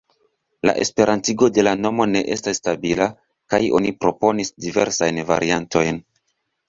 La esperantigo de la nomo ne estas stabila, kaj oni proponis diversajn variantojn.